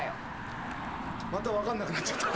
また分かんなくなっちゃった。